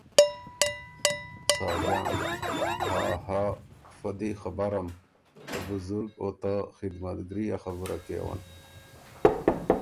ساجان ـــ”هاں هاں! فۀ دی خبرم۔ ته بزرګ او ته خدمتګري ا خبُره کېون“